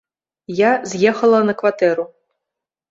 Я з'ехала на кватэру.